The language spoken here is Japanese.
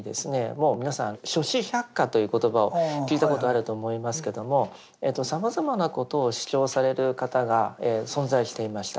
もう皆さん「諸子百家」という言葉を聞いたことあると思いますけどもさまざまなことを主張される方が存在していました。